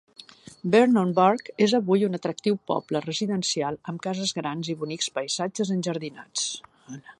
Vernonburg és avui un atractiu poble residencial amb cases grans i bonics paisatges enjardinats.